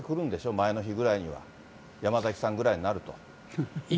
前の日ぐらいには、山崎さんぐらいになると。